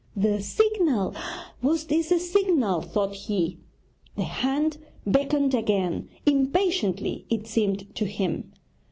'The signal! Was this the signal?' thought he. The hand beckoned again, impatiently it seemed to him.